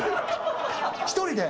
１人で？